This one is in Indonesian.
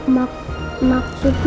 maksudnya apa tentang